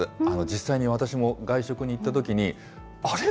実際に私も外食に行ったときに、あれ？